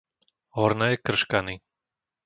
Horné Krškany